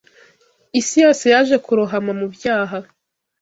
Isi yose yaje kurohama mu byaha.